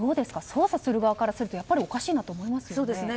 捜査する側からしたらおかしいなと思いますよね。